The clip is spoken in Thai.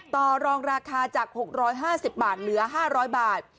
ต่อรองราคาจาก๖๕๐บาทเหลือ๕๐๐บาท